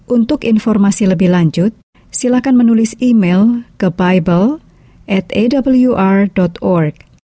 untuk informasi lebih lanjut silakan menulis email ke bible atawr org